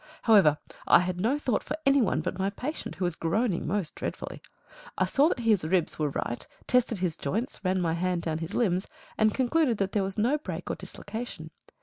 However, I had no thought for any one but my patient, who was groaning most dreadfully. I saw that his ribs were right, tested his joints, ran my hand down his limbs, and concluded that there was no break or dislocation.